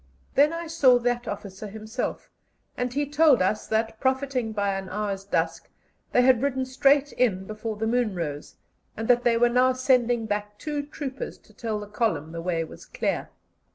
Then I saw that officer himself, and he told us that, profiting by an hour's dusk, they had ridden straight in before the moon rose, and that they were now sending back two troopers to tell the column the way was clear.